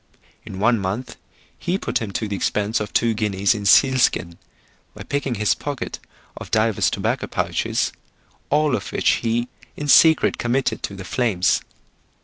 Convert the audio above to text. In one month he put him to the expense of two guineas in seal skin; by picking his pocket of divers tobacco pouches, all of which he in secret committed to the flames.